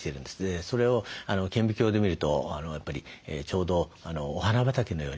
それを顕微鏡で見るとやっぱりちょうどお花畑のように見える。